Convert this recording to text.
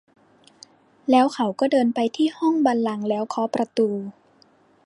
แล้วเขาก็เดินไปที่ห้องบัลลังก์แล้วเคาะประตู